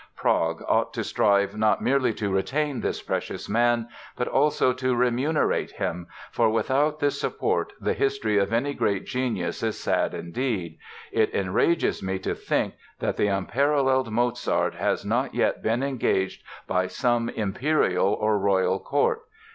Prague ought to strive not merely to retain this precious man, but also to remunerate him; for without this support the history of any great genius is sad indeed. It enrages me to think that the unparalleled Mozart has not yet been engaged by some imperial or royal court.